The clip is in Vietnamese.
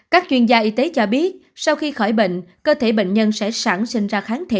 các chuyên gia y tế cho biết sau khi khỏi bệnh cơ thể bệnh nhân sẽ sản sinh ra kháng thể